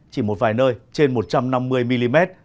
chỉ một vài nơi trên một trăm năm mươi mm